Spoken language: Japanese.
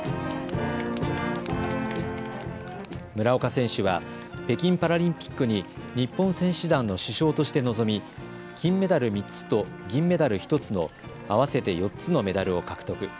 村岡選手は北京パラリンピックに日本選手団の主将として臨み金メダル３つと銀メダル１つの合わせて４つのメダルを獲得。